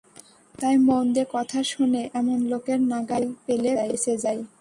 তাই মন দিয়ে কথা শোনে এমন লোকের নাগাল পেলে বেঁচে যাই।